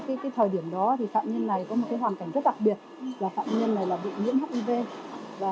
trong thời điểm đó phạm nhân này có một hoàn cảnh rất đặc biệt phạm nhân này bị nhiễm hiv